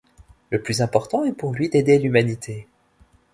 Le plus important est pour lui d'aider l'humanité.